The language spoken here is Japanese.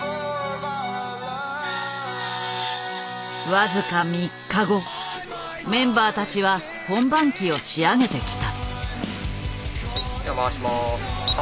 僅か３日後メンバーたちは本番機を仕上げてきた。